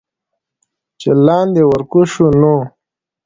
چې لاندې ورکوز شو نو